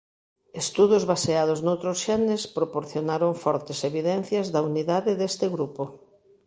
Estudos baseados noutros xenes proporcionaron fortes evidencias da unidade deste grupo.